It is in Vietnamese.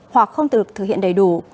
hoặc không được thực hiện đầy đủ